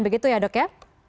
begitu ya dok ya